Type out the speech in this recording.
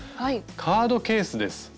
カードケースです。